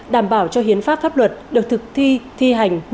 đảm bảo cho hiến pháp pháp luật được thực thi